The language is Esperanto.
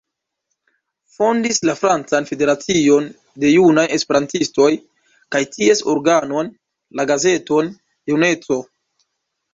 Fondis la Francan Federacion de Junaj Esperantistoj, kaj ties organon, la gazeton „juneco“.